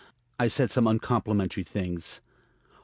I said some uncomplimentary things.